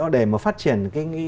để mà phát triển